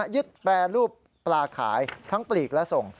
แปรรูปปลาขายทั้งปลีกและส่ง